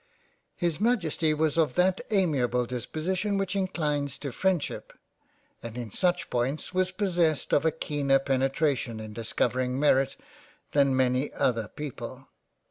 — His Majesty was of that amiable disposition which inclines to Freindship, and in such points was possessed of a keener penetration in discovering Merit than many other people.